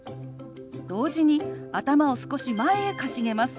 同時に頭を少し前へかしげます。